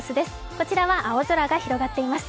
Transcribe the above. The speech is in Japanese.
こちらは青空が広がっています。